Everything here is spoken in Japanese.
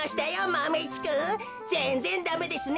マメ１くんぜんぜんダメですね。